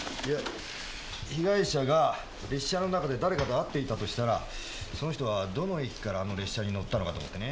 被害者が列車の中で誰かと会っていたとしたらその人はどの駅からあの列車に乗ったのかと思ってね。